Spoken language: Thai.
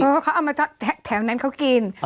เพราะเขาเอามาแถวนั้นเขากิน